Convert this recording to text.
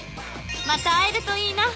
［また会えるといいな。